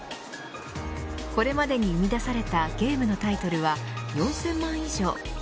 これまでに生み出されたゲームのタイトルは４０００万以上。